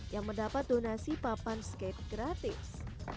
yang mendapat donasi papan skate gratis